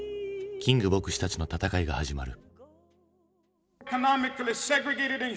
キング牧師たちの闘いが始まる。